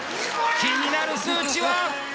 気になる数値は？